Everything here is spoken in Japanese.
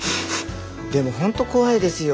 でもホント怖いですよ。